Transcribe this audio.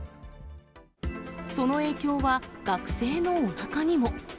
その影響は、学生のおなかにも。